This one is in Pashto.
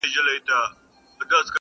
ما لیدلې د قومونو په جرګو کي،